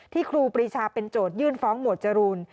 ครูปรีชาเป็นโจทยื่นฟ้องหมวดจรูน